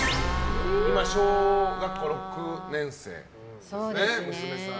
今、小学校６年生ですね、娘さん。